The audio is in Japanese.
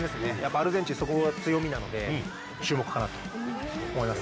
アルゼンチンはそこが強みなので、注目かなと思います。